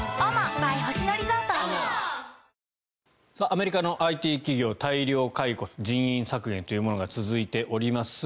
アメリカのＩＴ企業大量解雇人員削減というものが続いております。